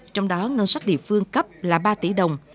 trong đó ngân sách địa phương cấp là ba tỷ đồng